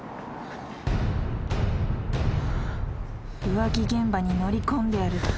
浮気現場に乗り込んでやる！